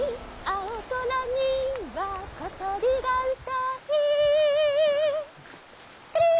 青空にはことりがうたい